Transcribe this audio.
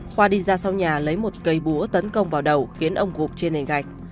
khoa đi ra sau nhà lấy một cây búa tấn công vào đầu khiến ông gục trên nền gạch